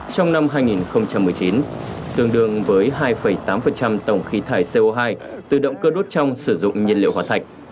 trong năm hai nghìn một mươi chín tương đương với hai tám tổng khí thải co hai tự động cơ đốt trong sử dụng nhiên liệu hóa thạch